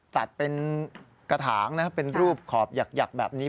ตัดเป็นกระถางนะเป็นรูปขอบหยักแบบนี้